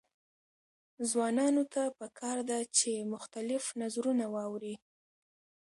ځوانانو ته پکار ده چې، مختلف نظرونه واوري.